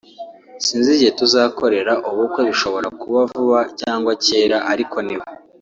sinzi igihe tuzakorera ubukwe bishobora kuba vuba cyangwa kera ariko ni we